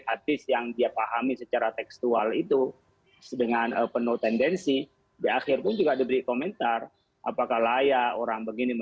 apa yang masuk dalam hal ini